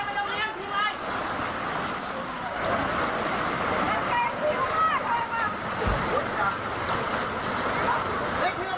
พี่ดา